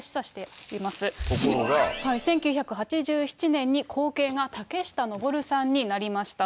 １９８７年に後継が竹下登さんになりました。